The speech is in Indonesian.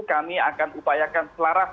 kami akan upayakan selaras